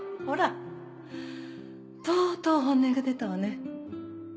ほらとうとう本音が出たわね。